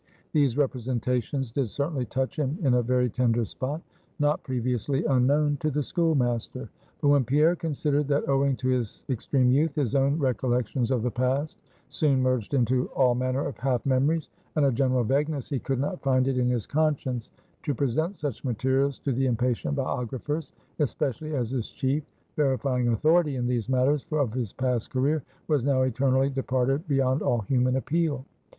These representations did certainly touch him in a very tender spot, not previously unknown to the schoolmaster. But when Pierre considered, that owing to his extreme youth, his own recollections of the past soon merged into all manner of half memories and a general vagueness, he could not find it in his conscience to present such materials to the impatient biographers, especially as his chief verifying authority in these matters of his past career, was now eternally departed beyond all human appeal.